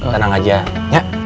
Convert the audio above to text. tenang aja ya